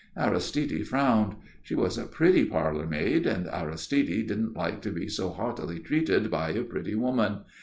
Aristide frowned. She was a pretty parlour maid, and Aristide didn't like to be so haughtily treated by a pretty woman.